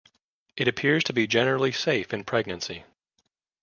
It appears to be generally safe in pregnancy.